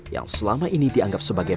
yang selama ini dianggap sebagai